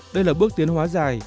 đây là bước tiến hóa dài